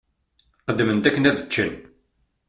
Qqedmen-d akken ad ččen.